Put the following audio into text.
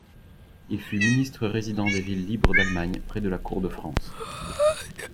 Il fut ministre résident des villes libres d'Allemagne près la Cour de France.